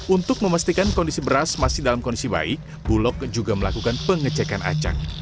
untuk memastikan kondisi beras masih dalam kondisi baik bulog juga melakukan pengecekan acak